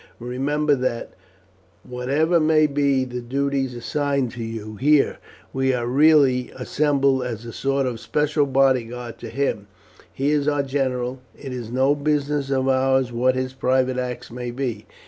Remember that, whatever may be the duties assigned to you here, we are really assembled as a sort of special bodyguard to him; he is our general. It is no business of ours what his private acts may be.